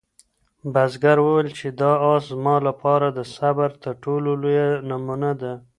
بزګر وویل چې دا آس زما لپاره د صبر تر ټولو لویه نمونه ده.